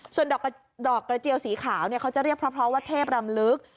ส่วนดอกกระเจียวสีขาวเขาจะเรียกเพราะว่าเทพรำลึก